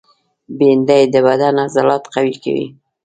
بېنډۍ د بدن عضلات قوي کوي